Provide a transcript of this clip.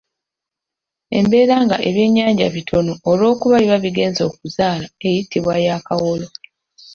Embeera nga ebyennyanja bitono olwokuba biba bigenze okuzaala eyitibwa ya kawolo.